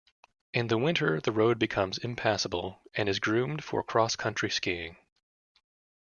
In the winter, the road becomes impassable, and is groomed for cross country skiing.